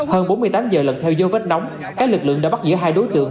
hơn bốn mươi tám giờ lần theo dấu vết nóng các lực lượng đã bắt giữ hai đối tượng